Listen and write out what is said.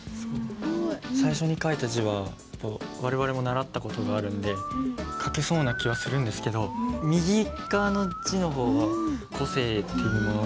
最初に書いた字は我々も習った事があるんで書けそうな気はするんですけど右側の字の方は個性っていうものが。